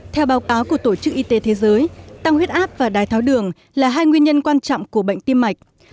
theo báo cáo của tổ chức y tế thế giới tăng huyết áp và đái tháo đường là hai nguyên nhân quan trọng của bệnh tim mạch